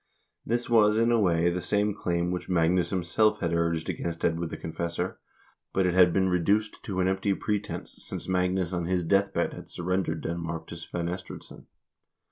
This was, in a way, the same claim which Magnus himself had urged against Edward the Confessor, but it had been reduced to an empty pretense, since Magnus on his death bed had surrendered Denmark to Svein Estridsson.